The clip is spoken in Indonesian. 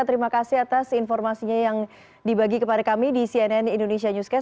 terima kasih atas informasinya yang dibagi kepada kami di cnn indonesia newscast